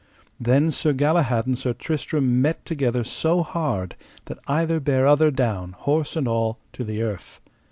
Then Sir Galahad and Sir Tristram met together so hard that either bare other down, horse and all, to the earth.